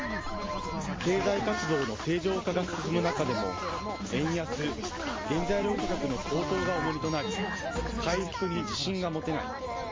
経済活動の正常化が進む中でも円安、原材料価格の高騰が重荷となり回復に自信が持てない。